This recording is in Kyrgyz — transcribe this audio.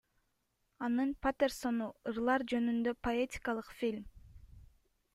Анын Патерсону — ырлар жөнүндө поэтикалык фильм.